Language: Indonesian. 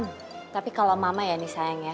em tapi kalau mama ya nih sayang ya